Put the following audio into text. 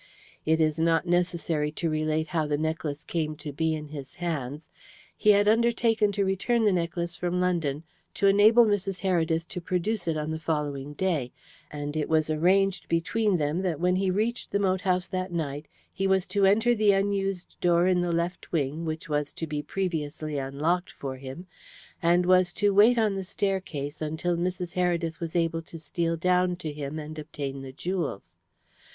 It is not necessary to relate how the necklace came to be in his hands. He had undertaken to return the necklace from London to enable Mrs. Heredith to produce it on the following day, and it was arranged between them that when he reached the moat house that night he was to enter the unused door in the left wing, which was to be previously unlocked for him, and was to wait on the staircase until Mrs. Heredith was able to steal down to him and obtain the jewels.